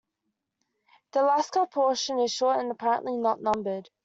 The Alaska portion is short and apparently not numbered.